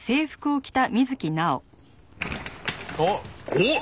おっ？